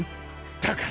だから。